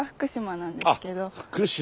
福島。